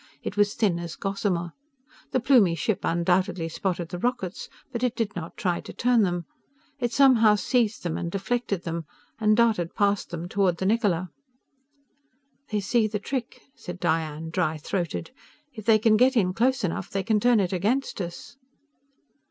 It was thin as gossamer. The Plumie ship undoubtedly spotted the rockets, but it did not try to turn them. It somehow seized them and deflected them, and darted past them toward the Niccola. "They see the trick," said Diane, dry throated. "If they can get in close enough, they can turn it against us!"